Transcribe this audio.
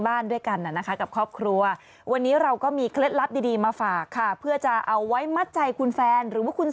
สิ้นเดือนนี้ก็ไม่ใช่ชั้นแม่แล้วมั่นล่ะโอ๊ยหมดแล้วหรอ